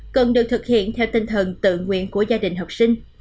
cần được thực hiện theo tinh thần tự nguyện của gia đình học sinh